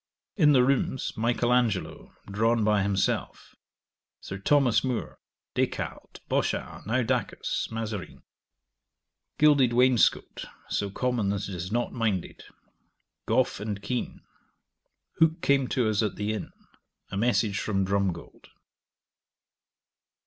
In the rooms, Michael Angelo, drawn by himself, Sir Thomas More, Des Cartes, Bochart, Naudacus, Mazarine. Gilded wainscot, so common that it is not minded. Gough and Keene. Hooke came to us at the inn. A message from Drumgold.